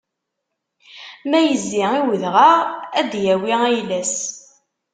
Ma izzi i udɣaɣ, ad d-yawi ayla-s.